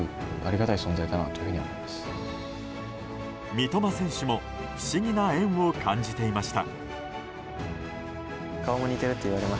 三笘選手も不思議な縁を感じていました。